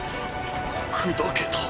砕けた。